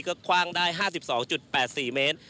ก็คว่างได้๕๒๘๔เมตร